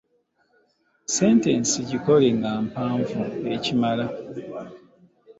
Sentensi gikole nga mpanvu ekimala.